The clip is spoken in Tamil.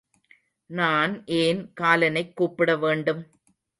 நான் ஏன் காலனைக் கூப்பிடவேண்டும்?